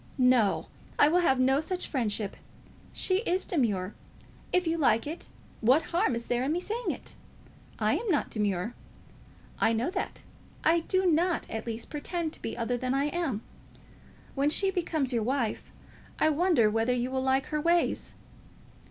No; I will have no such friendship! She is demure. If you like it, what harm is there in my saying it? I am not demure. I know that. I do not, at least, pretend to be other than I am. When she becomes your wife, I wonder whether you will like her ways?"